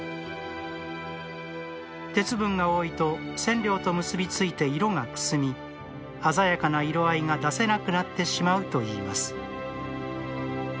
鉄分が多いと染料と結び付いて色がくすみ鮮やかな色合いが出せなくなってしまうといいます。